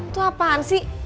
itu apaan sih